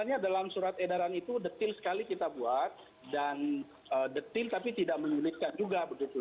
makanya dalam surat edaran itu detil sekali kita buat dan detil tapi tidak menyulitkan juga begitu